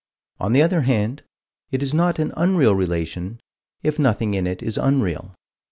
On the other hand, it is not an unreal relation, if nothing in it is unreal.